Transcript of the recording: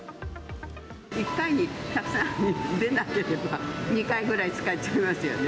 １回にたくさん出なければ、２回ぐらい使っちゃいますよね。